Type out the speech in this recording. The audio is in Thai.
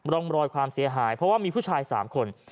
ร่องรอยความเสียหายเพราะว่ามีผู้ชาย๓คน